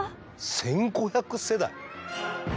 １，５００世代！？